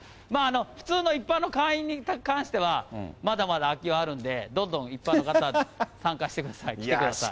普通の一般の会員に関しては、まだまだ空きはあるんで、どんどん一般の方、参加してください、来てください。